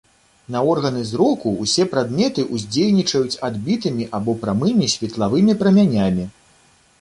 На органы зроку ўсе прадметы уздзейнічаюць адбітымі або прамымі светлавымі прамянямі.